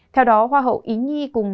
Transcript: theo đó hoa hậu ý nhi cùng